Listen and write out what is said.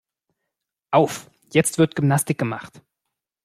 Auf, jetzt wird Gymnastik gemacht.